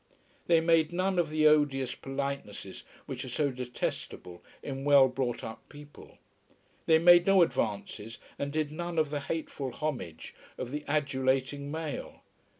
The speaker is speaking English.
They made none of the odious politenesses which are so detestable in well brought up people. They made no advances and did none of the hateful homage of the adulating male.